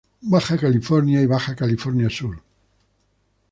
Baja California y Baja California Sur.